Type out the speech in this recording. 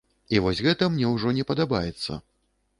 І вось гэта мне ўжо не падабаецца.